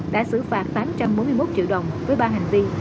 đã xử phạt tám trăm bốn mươi một triệu đồng với ba hành vi